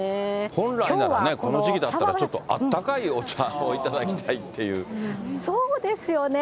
本来ならこの時期だったらちょっと温かいお茶を頂きたいってそうですよね。